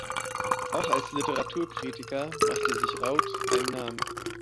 Auch als Literaturkritiker machte sich Raud einen Namen.